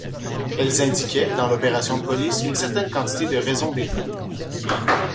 Elles indiquaient, dans l’opération de police, une certaine quantité de raison d’état.